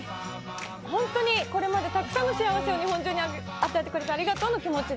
ほんとにこれまでたくさんの幸せを日本中に与えてくれてありがとうの気持ちで。